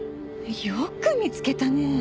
よく見つけたね。